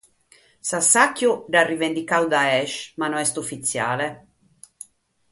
S'assàchiu l'at rivendicadu Daesh, ma no est ufitziale.